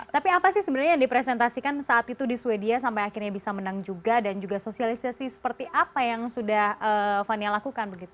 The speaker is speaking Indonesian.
tapi apa sih sebenarnya yang dipresentasikan saat itu di sweden sampai akhirnya bisa menang juga dan juga sosialisasi seperti apa yang sudah fania lakukan